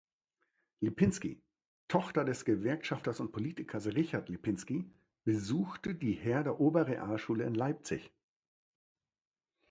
Lipinski, Tochter des Gewerkschafters und Politikers Richard Lipinski, besuchte die Herder-Oberrealschule in Leipzig.